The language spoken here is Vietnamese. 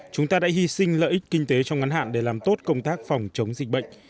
chúng ta đã hy sinh lợi ích kinh tế trong ngắn hạn để làm tốt công tác phòng chống dịch bệnh